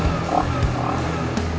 gak ada yang mau ngomong